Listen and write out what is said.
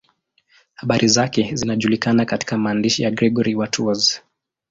Habari zake zinajulikana katika maandishi ya Gregori wa Tours.